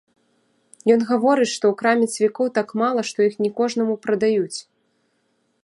Ён гаворыць, што ў краме цвікоў так мала, што іх не кожнаму прадаюць.